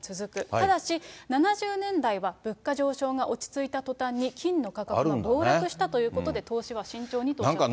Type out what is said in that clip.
ただし、７０年代は物価上昇が落ち着いたとたんに、金の価格が暴落したということで、投資は慎重にとおっしゃっていました。